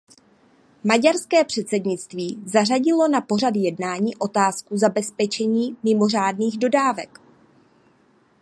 Maďarské předsednictví zařadilo na pořad jednání otázku zabezpečení mimořádných dodávek.